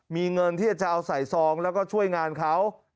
มีเงินที่จะเอาใส่ซองแล้วก็ช่วยงานเขา